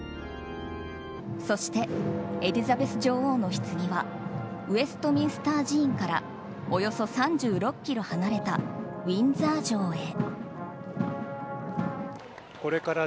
そしてエリザベス女王のひつぎはウェストミンスター寺院からおよそ３６ｋｍ離れたウィンザー城へ。